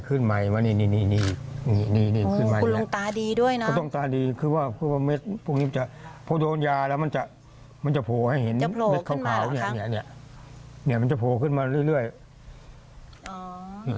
ข้างในมันก็ค่อยดีขึ้นไปเองปุ่มของเราเนี่ยมันขาดแล้วเนี่ย